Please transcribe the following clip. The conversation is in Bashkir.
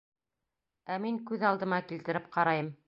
Ә мин күҙ алдыма килтереп ҡарайым.